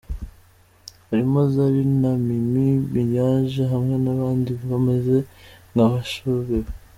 harimo.” Zari, na Mimi mirage, hamwe na bandi bameze nka bashobewe,